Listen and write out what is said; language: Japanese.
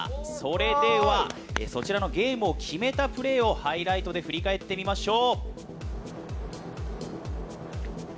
それでは、そちらのゲームを決めたプレーをハイライトで振り返ってみましょう。